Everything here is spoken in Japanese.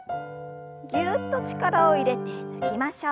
ぎゅっと力を入れて抜きましょう。